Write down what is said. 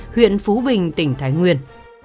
huyện phú bình tỉnh thái nguyên